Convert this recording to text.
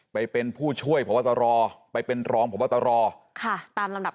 ไปเป็นผู้ช่วยผอบตรไปเป็นรองผอบตร